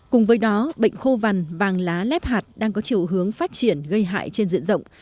cùng với đó bệnh khô vằn vàng lá lép hạt đang có chiều hướng phát triển gây hại trên diện rộng